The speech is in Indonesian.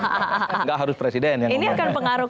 nggak harus presiden ini akan pengaruh